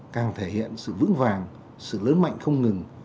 càng thể hiện sự vững vàng sự lớn mạnh không ngừng